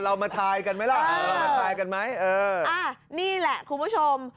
มาทายกันไหมล่ะเออมาทายกันไหมเอออ่านี่แหละคุณผู้ชม